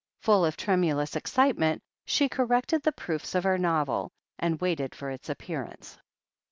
Full of tremulous excitement, she corrected the proofs of her novel, and waited for its appearance.